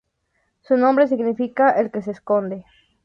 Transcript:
Su nombre significa "el que se esconde".